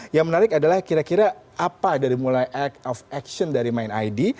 yang menarik adalah kira kira apa dari mulai act of action dari mind id